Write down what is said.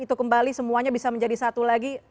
itu kembali semuanya bisa menjadi satu lagi